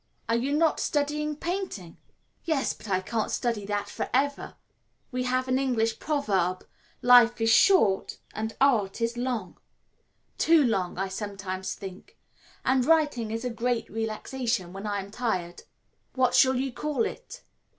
"Are you not studying painting?" "Yes, but I can't study that for ever. We have an English proverb: 'Life is short and Art is long' too long, I sometimes think and writing is a great relaxation when I am tired." "What shall you call it?"